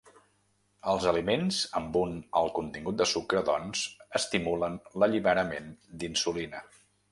Els aliments amb un alt contingut de sucre, doncs, estimulen l’alliberament d’insulina.